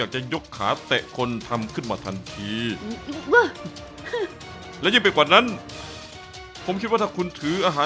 ฉันรู้สึกว่า